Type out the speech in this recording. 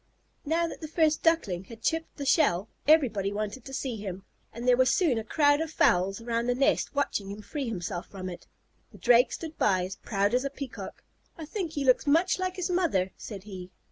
Now that the first Duckling had chipped the shell, everybody wanted to see him, and there was soon a crowd of fowls around the nest watching him free himself from it. The Drake stood by, as proud as a Peacock. "I think he looks much like his mother," said he.